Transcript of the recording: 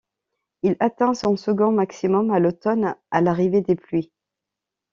Il atteint son second maximum à l'automne, à l'arrivée des pluies.